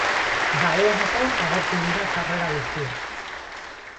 Dagoeneko agortu dira sarrera guztiak.